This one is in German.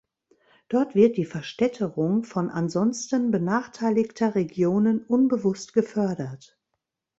Dort wird die Verstädterung von ansonsten benachteiligter Regionen unbewusst gefördert.